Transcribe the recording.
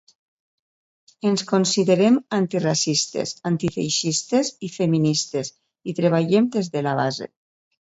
Ens considerem antiracistes, antifeixistes i feministes i treballem des de la base.